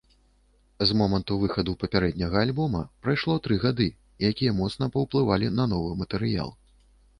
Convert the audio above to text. З моманту выхаду папярэдняга, альбома прайшло тры гады, якія моцна паўплывалі на новы матэрыял.